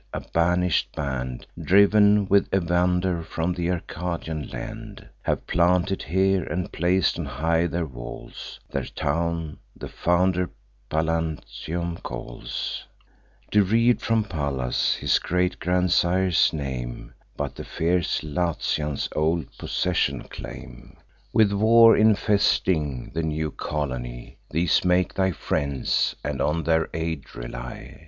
A banish'd band, Driv'n with Evander from th' Arcadian land, Have planted here, and plac'd on high their walls; Their town the founder Pallanteum calls, Deriv'd from Pallas, his great grandsire's name: But the fierce Latians old possession claim, With war infesting the new colony. These make thy friends, and on their aid rely.